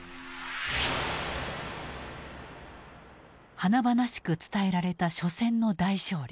華々しく伝えられた緒戦の大勝利。